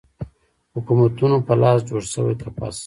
حکومتونو په لاس جوړ شوی قفس